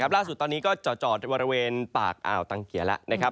ร่าสุดตอนนี้ก็เจาะระเวนปากอ่ะว์ตางเกี่ยวแล้ว